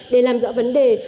để làm rõ vấn đề